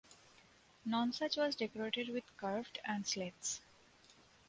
Nonsuch was decorated with carved and slates.